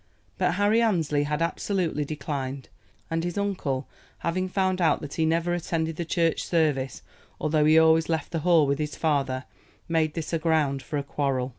But Harry Annesley had absolutely declined; and his uncle having found out that he never attended the church service, although he always left the Hall with his father, made this a ground for a quarrel.